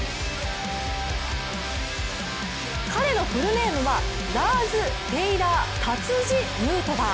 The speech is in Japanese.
彼のフルネームは、ラーズ・テイラー・タツジ・ヌートバー。